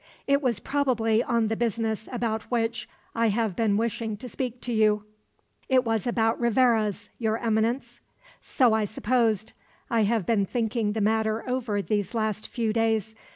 "It was probably on the business about which I have been wishing to speak to you." "It was about Rivarez, Your Eminence." "So I supposed. I have been thinking the matter over these last few days.